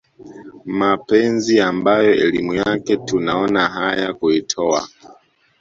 mapenzi ambayo elimu yake tunaona haya kuitowa